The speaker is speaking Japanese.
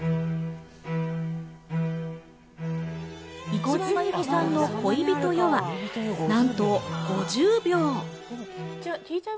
五輪真弓さんの『恋人よ』はなんと５０秒。